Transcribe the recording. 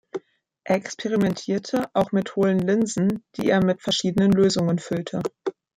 Er experimentierte auch mit hohlen Linsen, die er mit verschiedenen Lösungen füllte.